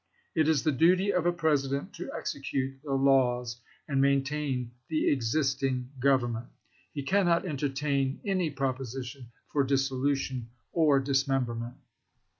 It is the duty of a President to execute the laws and maintain the existing Government. He cannot entertain any proposition for dissolution or dismemberment.